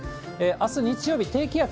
あす日曜日、低気圧。